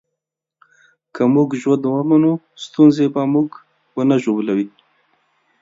که موږ ژوند ومنو، ستونزې به موږ ونه ژوبلوي.